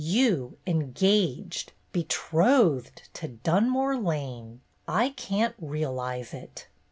You engaged, betrothed, to Dunmore Lane! I can't realize it."